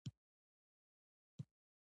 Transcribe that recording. په ګوتو دې برکت شه